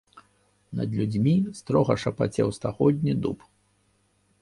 Над людзьмі строга шапацеў стагодні дуб.